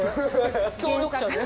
協力者で。